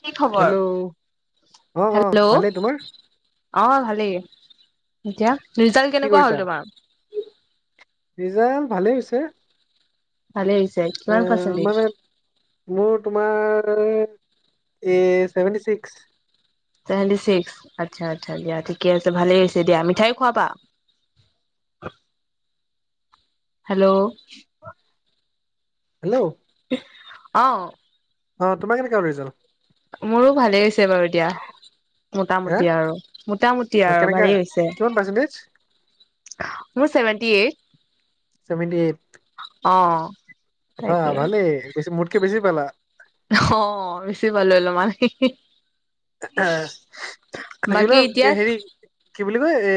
কি হেল্ল' খবৰ? অ অ হেল্ল' ভালে তোমাৰ অ ভালেই এতিয়া ৰিজাল্ট কি কেনেকুৱা কৰিছা হ'ল তোমাৰ। ৰিজাল্ট ভালেই হৈছে। ভালে হৈছে এ কিমান পাৰ্চেণ্টেজ। মানে মোৰ তোমাৰ এই ছেভেণ্টি ছিক্স। ছেভেণ্টি ছিক্স, আচ্ছা, আচ্ছা দিয়া। ঠিকে আছে ভালে হৈছে দিয়া মিঠাই খোৱাবা। হেল্ল' হেল্ল' অ অ তোমাৰ কেনেকা হ ল ৰিজাল্ট মোৰো ভালেই হৈছে বাৰু এতিয়া হা মোটামুটি আৰু মোটামুটি অ আৰু কেনেকা ভালেই হৈছে কিমান পাৰ্চেন্টেজ মোৰ চেভেন্টি এইট চেভেণটি এইট অ হা তাকে ভালেই বেছি মুতকে বেছি পালা অ বেছি পালোঁ অলপমান হে হে আহ গল বাকী ক এতিয়া হেৰি কি বুলি কয় এ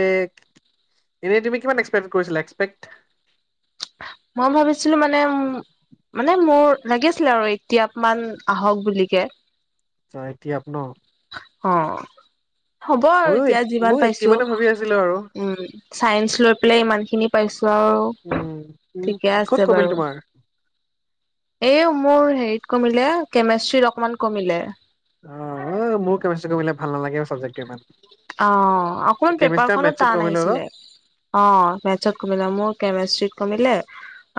এনে তুমি কিমান এক্সপেক্ট কৰিছিলা এক্সপেক্ মই ভাবিছিলো মানে উ মানে মোৰ লাগিছিলে আৰু এইতিয়াপ মান আহক বুলিকে অ এইটিআপ ন অ, হ'ব আৰু ময়ো এতিয়া এইট- ময়ো যিমান এইটি পাইছো। মানে ভাবি আছিলো আৰু উম চাইন্স লৈ পেলাই ইমান খিনি পাইছো আৰু। উম উম ঠিকে ক'ত আছে কমিল বাৰু। তোমাৰ এই মোৰ হেৰিত কমিলে কেমেষ্ট্ৰিত অকমান কমিলে। অ মোৰ কেমেষ্টি কৰিবলে ভাল নালাগে চাবজেক্টটো ইমান। অ অকমান কেমিষ্ট্ৰি আৰু পেপাৰখনো মেথছত টান কমিলে অলপ আহিছিলে। অ, মেতছত কমিলে মোৰ কেমিষ্ট্ৰ্ৰীত কমিলে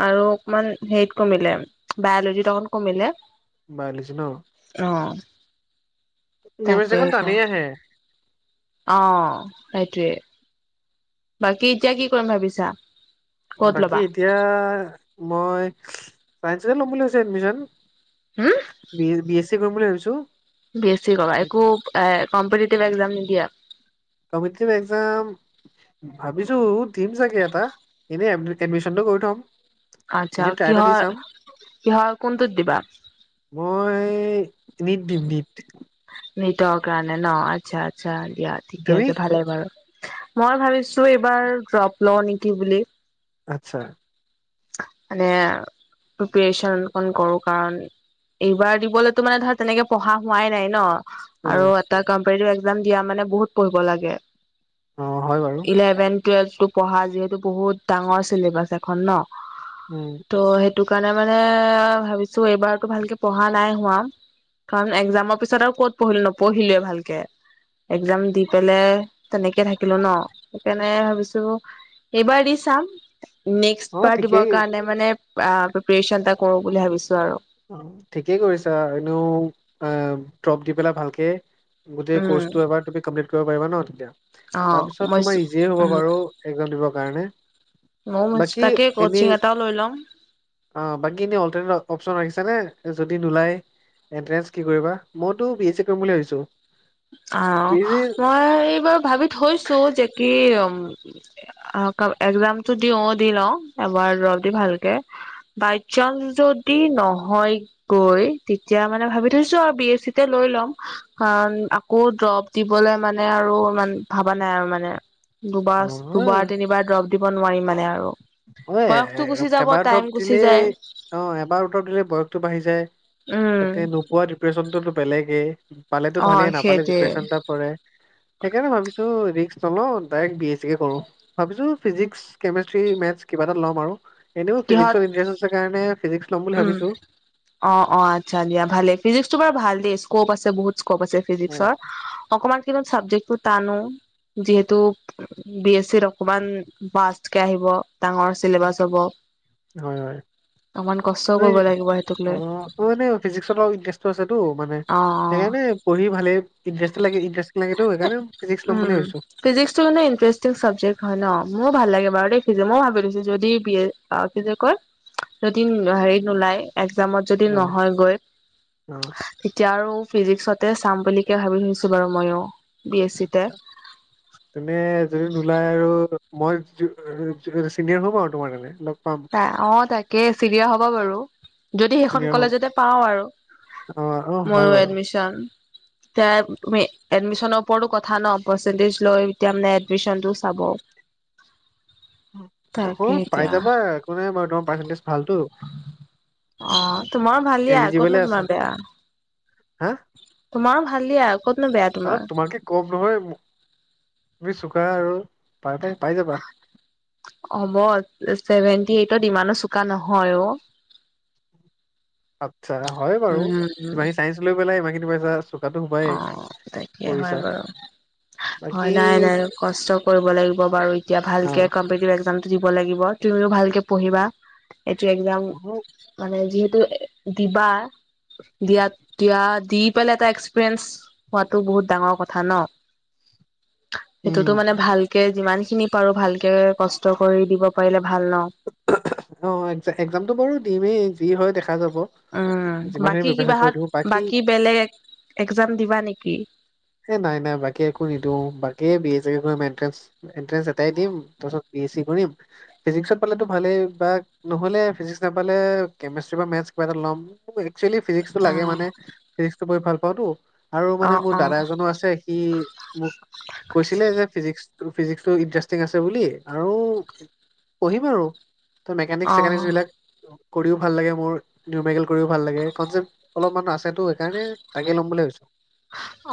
আৰু অকমান হেৰিত কমিলে বায়লজিত অকণ কমিলে। বায়লজি ন? অ। নেমে তাকে জেখনত টানি আহে অ, সেইটোৱে। বাকী এতিয়া কি কৰিম ভাবিছা? ক'ত বাকী ল'বা এতিয়া মই চাইন্ঞ্চতে ল'ম বুলি ভাবিছোঁ এডমিশন। হম বি বি এছি কৰিম বুলি ভাবিছো। বি এছি কৰিবা একো এ কম্পিটিভ একজাম নিদিয়া? কম্পিটিটিভ এক্সাম ভাবিছোঁ দিম চাগে এটা এনেই এড এডমিশচনটো কৰি থ'ম। আচ্ছা এনেই ট্ৰাই কি এটা দি হয় চাম কি হয় কোনটো দিবা। মই নিদ দিম নিদ। নিতৰ কাৰণে ন আচ্ছা আচ্ছা দিয়া ঠিকে তুমি আছে ভালে বাৰু। মই ভাবিছো এইবাৰ ড্ৰপ লওঁ নেকি বুলি। আচ্ছা। মানে প্ৰিপৰেচন অকণ কৰো কাৰণে এইবাৰ দিবলৈতো মানে ধৰা তেনেকে পঢ়া হোৱাই নাই ন? অ আৰু এটা কপেতেটিভ একজাম দিয়া মানে বহুত পঢ়িব লাগে অ হয় বাৰু ইলেভেন টুৱেলভ টো পঢ়া যিহেতু বহুত ডাঙৰ ছিলেবাছ এখন ন। উম। ত' সেইটো কাৰণে মানে ভাবিছো এইবাৰতো ভালকে পঢ়া নাই হোৱা কাৰণ একজামৰ পিছত আৰু কত পঢ়িলো নপঢ়িলোৱে ভালকে। এক্জাম দি পেলাই তেনেকে থাকিলো ন সেইকাৰণে ভাবিছো এইবাৰ দি চাম নেক্সট অ বাৰ দিবৰ ঠিকেই কাৰণে মানে আ প্ৰিপেচন এটা কৰো বুলি ভাবিছো আৰু। অ ঠিকেই কৰিছা। এনেও ড্ৰপ দি পেলাই ভালকে গোটেই ক্ৰ'জ উম টো এবাৰ তুমি কমপ্লিট কৰিব পাৰিবা ন তেতিয়া অ তাৰ পিছত মই তোমাৰ আজি হে হব উম বাৰু। একজাম দিবৰ কাৰণে। ময়ো ভাবিছো বাকী তাকে কচিং এনেই এটাও লৈ ল'ম। অ' বাকী ইনে অল টাইমত অফ চ' আহিছানে যদি নোলায়, এনন্টেন্চ কি কৰিবা মই টো বি এ চি কৰিম বুলি ভাবিছোঁ। অ, মই এইবাৰ ভাবি থৈছো যেদি কি উ এক্জামটো দিও দি লওঁ। এবাৰ ৰবি দি ভালকে, বাই চান্স যদি নহয় গৈ তেতিয়া মানে ভাবি থৈছো আৰু বি এছ চি তে লৈ লম। কাৰণ আকৌ - আকৌ দ্ৰপ দিবলৈ মানে আৰু ইমান ভবা নাই আৰু মানে অ দুবাৰ দুবাৰ তিনি বাৰ ড্ৰপ দিব নোৱাৰি মানে আৰু। হয় বয়সটো এ গুচি যাব এবাৰ টাইম দৰৱ গুচি যায় দিলেই অ এবাৰ দৰৱ দিলে বয়সটো বাঢ়ি যায়। উম তাতে নোপোৱা ডিপ্ৰেশ্যনটোতো বেলেগেই পালেতো অ ভালেই নাপালে সেইটোৱে ডিপ্ৰেশ্যন এটা পৰে। সেইকাৰণে ভাবিছো ৰিক্স নলওঁ ডাইৰেক্ট বি এছ চি কে কৰো। ভাবিছো ফিজিক্স, কেমেষ্ট্ৰি, মেথ কিবা এটা ল'ম আৰু, এনেও কিহত ফিজিক্স ইন্টাৰেষ্ট আছে কাৰণে ফিজিক্স - উম অ' অ' আচ্ছা দিয়া ভালেই, ফিজিক্স টো বাৰু ভাল দেই স্কপ আছে বহুত, স্কপ আছে ফিজিক্সৰ, অকমান কিবা চাবজেক্টটো তান ও, যিহেতু - বি এছ চিত অকমান পাচ কে আহিব ডাঙৰ, চিলেবাছ হ'ব, হয় হয় অকমান- কষ্টও এই কৰিব লাগিব সেইটোক অ লৈ মোৰ এনে ফিজিক্স ত অলপ ইণ্টাৰেষ্ট আছেটো মানে অ অ সেইকাৰণে- পঢ়ি ভালে ইণ্টাৰেষ্টিং লাগে টো, ইন্টাৰেষ্টিং লাগে টো সেইকাৰণে ফিজিক্স ল'ম বুলি ভাবিছো। ফিজিক্স টো মানে ইণ্টাৰেষ্টিং চাবজেক্ট হয় ন, মোৰো ভাল লাগে বাৰু মই ভাবি লৈছো যদি বি এ- আৰু কি যে কয়, যদি হেৰি নোলায়, এক্জামত যদি অ নহয়গৈ, অ তেতিয়া আৰু ফিজিক্সতে চাম বুলিকে ভাবি থৈছো বাৰু মইয়ো বি এছ চিতে। তুমি যদি নোলায় আৰু মই চিনিয়ৰ হম আৰু তোমাৰ কাৰণে, ন ত অ তাকে চিনিয়ৰ হ'বা বাৰু যদি সেইখন চিনিয়ৰ হ'ম কলেজতে পাও আৰু। অ অ হয় ময়ো বাৰু এডমিচন, এতিয়া এডমিশনৰ ওপৰতো কথা ন, পাৰ্চেন্টেজ লৈ মানে এতিয়া এডমিশনটো চাব। তাকে পাই এতিয়া যাবা একো নাই বাৰু তোমাৰ পাৰ্চেণ্টেজ ভালটো। অ' তোমাৰো ভাল দিয়া ক'ত নো আছা তোমাৰ বেয়া, হা তোমাৰো ভাল দিয়া। কতনো বেয়া- তোমাৰ অ' তোমাতকে কম নহয় মোৰ তুমি চুকা আৰু পাই পাই যাবা। হ'ব চেভেন্টি এইটত ইমানো চোকা নহয় অ। আচ্ছা হয় বাৰু, উম উম ইমানখিনি চাইন্ঞ্চ লৈ পেলাই ইমান খিনি পাইছা আৰু। অ' তাকে হয় বাৰু। বাকী হয়, নাই নাই কষ্ট কৰিব লাগিব বাৰু এতিয়া অ ভালকে কম্পিতিভ একজাম- দিব লাগিব তুমিও ভালকে পঢ়িবা, এইটো একজাম- অ' মানে যিহেতু দিবা দিয়াত দিয়া দি পেলাই তাইক ফ্ৰেণ্ডছ হোৱাটো বহুত ডাঙৰ কথা ন, উম সেইটোতো মান ভাল কে যিমান খিনি পাৰো ভালকে কষ্ট কৰি দিব পাৰিলে ভাল ন। অ এক এক্জামতটো বাৰু দিমেই যি হয় দেখা যাব। উম' যিমানখিনি বাকী প্ৰিপেচন কিবা কৰি হত দিওঁ বাকী বেলেগ এক্জাম দিবা নেকি। এ নাই নাই বাকী একো নিদিওঁ, বাকী বি এছ কৰিম এট্ৰেঞ্চ এন্ট্ৰেন্ঞ্চ এটাই দিম তাৰাছত বি এছ চি কৰিম, ফিজিক্সত পালেটো ভালেই বা নহ'লে ফিজিক্স নাপালে কেমেষ্ট্ৰি বা মেটচ কিবা এটা ল'ম। একচুলী ফিজিক্সটো অ লাগে মানে ফিজিক্সটো মই ভাল পাওঁ টো। আৰু অ মানে মোৰ দাদা অ এজনো আছে সি মোক কৈছিলে যে ফিজিক্স ফিজিক্সটো ইন্টাৰেষ্টিং আছে বুলি, আৰু পঢ়িম আৰু তৰ মেকানিক্স চেকানিক্স বিলাক কৰিও ভাল লাগে মোৰ। নিইমেৰিকেল কৰিও ভাল লাগে, কনচেপট অলপমান আছেটো সেইকাৰণে তাকে ল'ম বুলি ভাবিছো।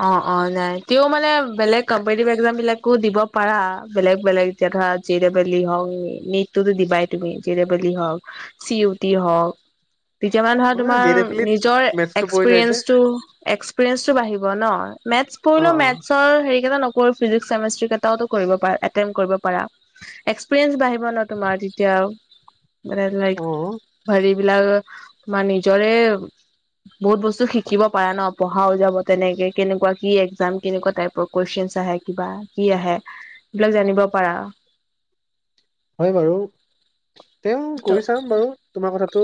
অ অ নাই তেওঁ মানে বেলেগ কম্পিটটিভ এক্জাম বিলাকো দিব পাৰা বেলেগ বেলেগ। এতিয়া ধৰা জে দৌব্লে ই হওক নিটটোতো দিবাই তুমি, জে দৌব্লে হওক চি ইউ টি হওক তেতিয়া মেনে ধৰা অ', জে তোমাৰ ডে ফিলিত নিজৰ মেথছটো পৰি যায় যে এক্সপিৰিয়েঞ্চটো এক্সপিৰিয়েঞ্চটো বাঢ়িব ন, মেটচ অ পঢ়িলেও অ মেটচৰ হেৰী কেইতান ফিজিক্স কেমেষ্টি কেইটাওটো কৰিব পাৰা এটেমট কৰিব পাৰা। এক্সৰিয়েঞ্চ বাঢ়িব ন তোমাৰ তেতিয়া, মেনে অ লাইক হেৰি বিলাক বা নিজৰে বহুত বস্তু শিকিব পাৰা ন পঢ়া ও লগত। তেনেকে কেনেকুৱা কি একজাম, কেনেকুৱা টাইপৰ কুৱেশন আহে কিবা কি আহে। এইবিলাক জানিব পাৰা। হয় বাৰু, তেওঁ ত কৰি চাম বাৰু তোমাৰ কথাতটো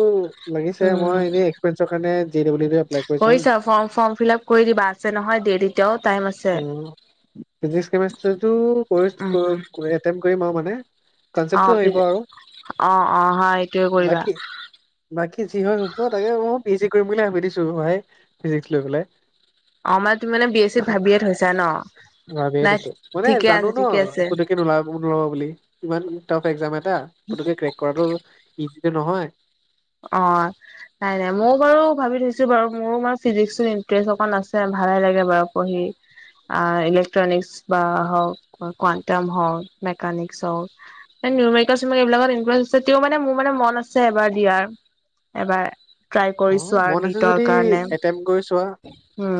লাগিছে মই এনেই এক্সপেৰিয়েঞ্চৰ কাৰণে জে ডাবল ই টো এপ্লাই চাম কৰি চোৱা ফৰ্ম ফৰ্ম ফিল আপ কৰি দিবা আছে নহয় দেৰি অ ফিজিক্স কেমেষ্ট্ৰিটো কৰি উম ক আত্তেমত কৰিম আও মানে। অ কনচেপ্টটো আহিব আৰু অ অ হয় এইটোয়ে কৰিবা বাকী বাকী যি হয় হব, তাকে মই পি এইচ দি কৰিম বুলি ভাবি দিছো ভাই, ফিজিক্স লৈ পেলাই। অ মানে তুমি মানে বি এছ চিত ভাবিয়ে থৈছা ন। ভাবিয়ে নাই দিছো, মানে ঠিকে জানো আছে ন ঠিকে আছে একো [unintelligible] ওলাব নোৱাৰোঁ বুলি। ইমান টাফ এক্জাম এটা পতুকে ক্ৰেক কৰাটো ইজিটো নহয়। অ'। নাই নাই মইয়ো বাৰু ভাবি থৈছো বাৰু মোৰো মানে ফিজিক্সত ইণ্টাৰেষ্ট অকণ আছে ভালে লাগে বাৰু পঢ়ি ইলেক্ট্ৰনিকচ্ বা হওক কোৱাণ্টাম হওক মেকানিকছ হওক। এ নিউমেৰিকল সুমেৰিকেল এইবিলকত ইণ্টাৰেষ্ট আছে, তেওঁ মানে মোৰ মান মন আছে এবাৰ দিয়াৰ। এবাৰ। ট্ৰাই অ কৰি চোৱাৰ মন আছে নিটৰ যদি কাৰণে অট্টেমত কৰি চোৱা,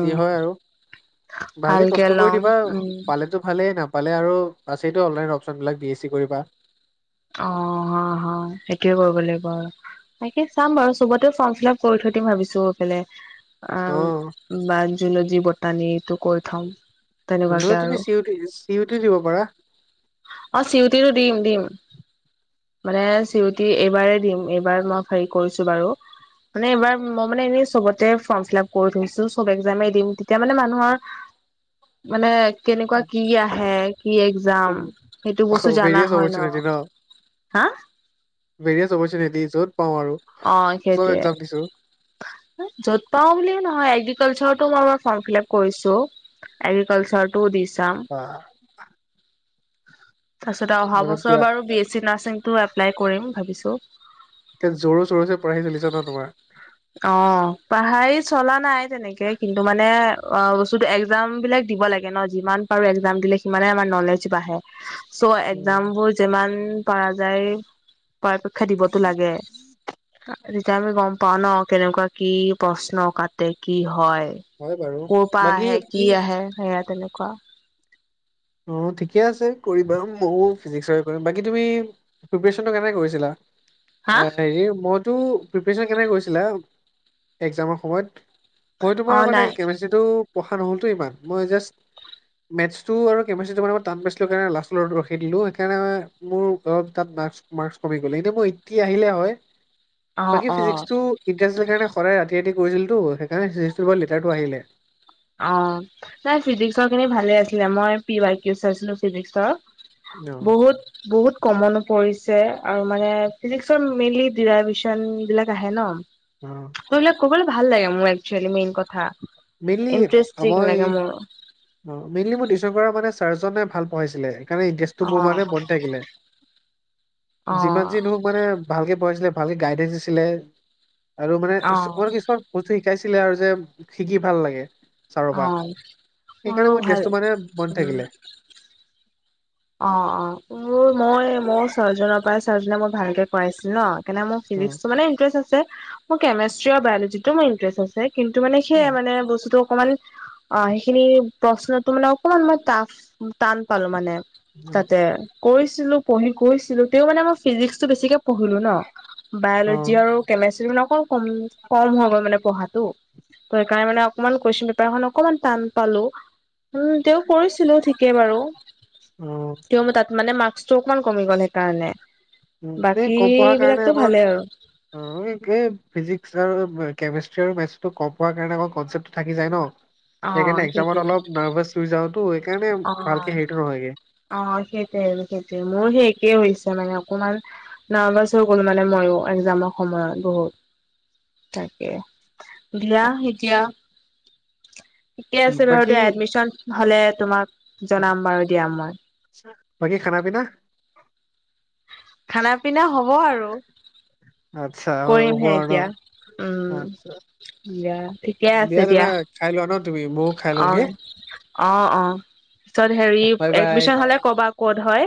যি হয় আৰু। ভালকে কষ্ট কৰি ল'ম দিবা উম পালেতো ভালেই, নাপ নাপালে আৰু আছেইতো অনলাইন অপশন বিলাক বি এছ চি কৰিবা। অ অ অ সেইটোয়ে কৰিব লাগিব আৰু। তাকে চাম বাৰু চবতে ফৰ্ম ফিল আপ কৰি থৈ দিম ভাবিছো সফালে আ অ বা জুলজি বটানীটো কৰি থম। তেনেকুৱাকে [inaudible] তুমি আৰু C U T C U T দিব পাৰা। অ চি ইউ টি টো দিম দিম। মানে চি ইউ তি এইবাৰেই দিম এইবাৰ মই হেৰি কৰিছো বাৰু। মানে এইবাৰ মই মানে এনেই চবতে ফৰ্ম ফিল আপ কৰি থৈছো, চব একজামে দিম। তেতিয়া মানে মানুহৰ [inaudible] মানে কেনেকুৱা কি আহে কি একজাম ভেৰিয়াছ অপৰচুনিটি ন? হা ভেৰিয়াছ অপৰচুনিটি য'ত পাওঁ আৰু। অ চব সেইটোৱে। এক্জাম দিছো য'ত পাওঁ বুলিও নহয়, এগ্ৰিকালচাৰটো মই ফৰ্ম ফিল আপ কৰিছো। এগ্ৰিকালচাৰটো দি চাম। বা তাৰ পিছত অহা মানে বছৰ পুৰা বাৰু বি এছ চি নাৰছিংটো এপ্লাই কৰিম ভাবিছো। এ জৰুৰ চৰুৰ চে পঢ়াই ছলিছে ন তোমাৰ? অ পঢ়াই চলা নাই তেনেকে কিন্তু মানে অ বস্তুতটো একজাম বিলাক দিব লাগে ন, যিমান পাৰো এক্জাম দিলে সিমানে আমাৰ নলেজ বাঢ়ে। চ' উম এক্জাম বোৰ যিমান পৰা যায় পৰাপক্ষে দিবতো লাগে। তেতিয়া আমি গম পাও ন কেনেকুৱা কি প্ৰশ্ন কাটে কি হয়। হয় বাৰু ক পৰা বাকী আহে কি আহে সেয়া তেনেকুৱা। অ ঠিকে আছে কৰিবা ময়ো ফিজিক্সৰে কৰিম। বাকী তুমি প্ৰিপেৰেচনটো কেনেকে কৰিছিলা? হা হেৰি মইতো প্ৰিপৰেচন কেনেকে কৰিছিলা একজামৰ সময়ত? মই অ তোমাৰ মানে নাই কেমেষ্ট্ৰীটো পঢ়া নহলতো ইমান, মই জাষ্ট মেথ্চটো আৰু কেমেষ্ট্ৰীটো মানে মই টান পাইছিলোঁ কাৰণে লাষ্ট ৰখি দিলোঁ সেই কাৰণে মানে মোৰ অলপ তাত মাৰ্ক্স মাৰ্ক্স কমি গ'ল। এনেই মোৰ এই কি আহিলে হয়? অ বাকী অ ফিজিক্সটো ইণ্টাৰেষ্ট কাৰণে সদায় ৰাতি ৰাতি কৰিছিলো টো সেইকাৰনে ফিজিক্স বাও লেটাৰটো আহিলে। অ নাই ফিজিক্সৰ খিনি ভালে আছিলে মই পি আই কিউ চাইছিলো ফিজিক্সৰ। অ বহুত বহুত কমন পৰিছে, আৰু মানে ফিজিক্সৰ মেইনলি ডিৰাইভেশচন বিলাক আহে ন? অ। ত এইবিলাক ক'বলে ভাল লাগে মোৰ একছুৱেলী মেইন কথা মেইনলি ইণ্টাৰেষ্টিং মই লাগে মোৰ অ মেইনলি মোৰ টিউচন কৰা মানে চাৰজনে ভাল পঢ়াইছিলে। কাৰণে ইণ্টাৰেষ্টটো মোৰ অ মানে বনি থাকিলে, যিমান যি অ নহওঁক মানে ভালকে পঢ়াইছিলে, ভালকে গাইডেঞ্চ দিছিলে আৰু মানে অ কিছুমান। বস্তু শিকাইছিলে আৰু যে, শিকি ভাল লাগে। চাৰৰ অ পৰা মোৰো সেইকাৰণে মোৰ ভাল ইন্টাৰেষ্টে মানে বনি উম থাকিলে। অ' অ' মই মোৰ ছৰজনৰ পৰা ছাৰজনে মই ভালকে কৰাইছিল ন। সেইকাৰনে মোৰ অ ফিজিক্স ত' মানে ইটাৰেষ্ট আছে, মোৰ কেমেষ্ট্ৰি আৰু বায়'লজিত তো মোৰ ইণ্টাৰেষ্ট আছে। কিন্তু মানে অ সেয়ে মানে বস্তুতটো। অকমান অ' সেইখিনি প্ৰশ্নতো মানে অকমান মই টাফ টান পালো মানে। তাতে কৰিছিলো পঢ়ি কৰিছিলো তেও মানে মই। ফিজিক্স টো বেছিকে পঢ়িলো ন, অ বায়লজি আৰু। কেমেষ্ট্ৰ মানে অক, কম কম হৈ গল মানে পঢ়াটো। ত' সেইকাৰণে অকণমান কুৱেশচন পেপাৰ খন অকনমান টান পালো। উম, তেওঁ কৰিছিলো ঠিকে বাৰু। উম। তেও তাত মানে মাৰ্কচটো অকমান কমি গ'ল সেইকাৰণে। উম, বাকী বিলাকতো ভালেই আৰু। অঁ এই - এই ফিজিক্স আৰু কেমেষ্ট্ৰি আৰু মেথছটো কম পোৱাৰ কাৰণে আমাৰ কনচেপ্টটো থাকি যায় ন। অ সেইকাৰণে এক্সামত সেইটোৱে অলপ নাৰ্ভাচ হৈ যাওতো সেইকাৰণে ভালকে অ', হেৰিটো নহয়গে অ', সেইটোৱে সেইটোৱে মোৰ একেই হৈছে মানে অকমান নাৰ্ভাচ হৈ গ'লো মানে মইও এক্সামৰ সময়ত বহুত। তাকে, দিয়া এতিয়া ঠিকে আছে বাৰু বাকী দিয়া, এডমিচন হলে তোমাক জনাম বাৰু দিয়া মই। বাকী খানা পিনা? খানা পিনা হ'ব আৰু। আচ্ছা হ'ব কৰিমহে আৰু ন এতিয়া, উম, আচ্ছা দিয়া ঠিকে আছে দিয়া। খাই লোৱা ন তুমি ময়ো খাই লওঁগে অ', অ', অ', পিছত হেৰি বাই বাই। এডমিচন হলে ক'বা ক'ত হয়।